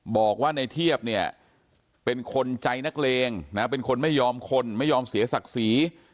บอกว่าในเทียบเนี่ยเป็นคนใจนักเลงนะเป็นคนไม่ยอมคนไม่ยอมเสียศักดิ์ศรี